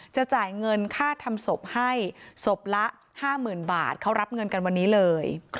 จะจ่ายเงินค่าทำศพให้ศพละ๕๐๐๐บาทเขารับเงินกันวันนี้เลย